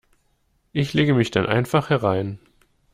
Ich lege mich dann einfach herein.